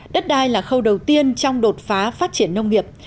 đất đai là khâu đầu tiên trong đột phá phát triển nông nghiệp